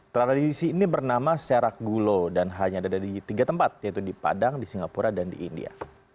tradisi ini bernama serak gulo dan hanya ada di tiga tempat yaitu di padang di singapura dan di india